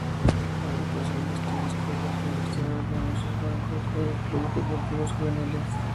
La agrupación gestiona escuelas, universidades, negocios, bancos y clubes deportivos juveniles.